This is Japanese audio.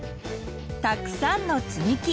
たくさんのつみき。